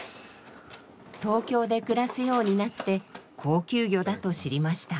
東京で暮らすようになって高級魚だと知りました。